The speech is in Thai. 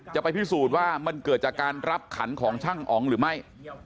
จะไปพิสูจน์ว่ามันเกิดจากการรับขันของช่างอ๋องหรือไม่